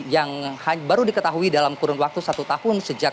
yang baru diketahui dalam kurun waktu satu tahun